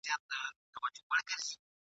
کشپ ګوری چي اسمان ته پورته کیږي !.